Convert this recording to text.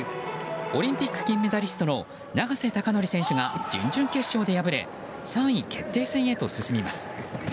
オリンピック金メダリストの永瀬貴規選手が準々決勝で敗れ３位決定戦へと進みます。